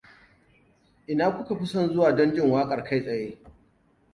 Ina kuka fi son zuwa don jin waƙar kai tsaye?